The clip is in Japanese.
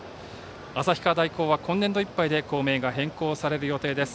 旭川大は今年度いっぱいで校名が変更される予定です。